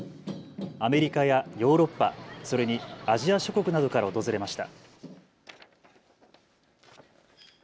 アメリカやヨーロッパ、それにアジア諸国などから訪れました。